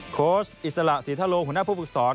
โค้ชอิสระศรีทะโลหัวหน้าผู้ฝึกศร